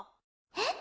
「えっ？」。